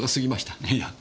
いや。